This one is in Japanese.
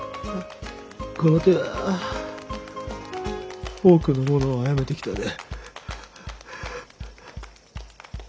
この手は多くの者をあやめてきたで。